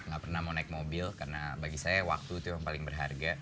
gak pernah mau naik mobil karena bagi saya waktu itu yang paling berharga